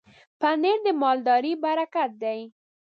پنېر د مالدارۍ برکت دی.